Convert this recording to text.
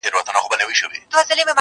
• تش په نامه یې د اشرف المخلوقات نه منم,